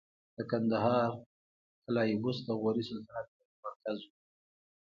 د کندهار د قلعه بست د غوري سلطنت مهم مرکز و